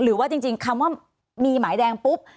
หรือว่าจริงคำว่ามีหมายแดงปุ๊บ